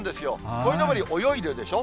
こいのぼり泳いでるでしょ？